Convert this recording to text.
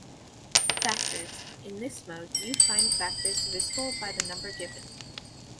Factors - In this mode you find factors divisible by the number given.